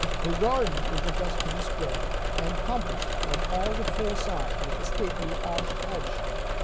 The garden is best to be square, encompassed on all the four sides with a stately arched hedge.